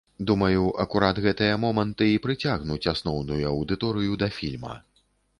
Думаю, акурат гэтыя моманты і прыцягнуць асноўную аўдыторыю да фільма.